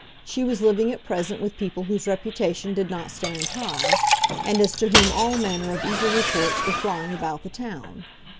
She was living at present with people whose reputation did not stand high, and as to whom all manner of evil reports were flying about the town.